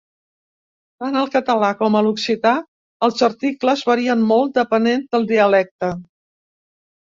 Tant al català com a l'occità, els articles varien molt depenent del dialecte.